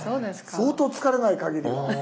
相当疲れないかぎり。